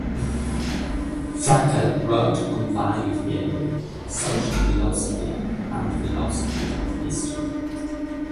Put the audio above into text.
Frankel wrote on value theory, social philosophy and philosophy of history.